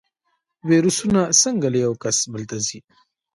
ویروسونه څنګه له یو کس بل ته ځي؟